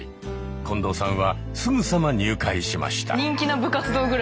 近藤さんはすぐさま入会しました。